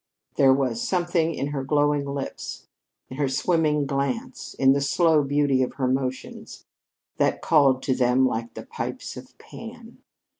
There was something in her glowing lips, in her swimming glance, in the slow beauty of her motions, that called to them like the pipes o' Pan.